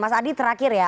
mas adi terakhir ya